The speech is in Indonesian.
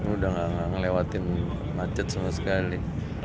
udah gak ngelewatin macet sama sekali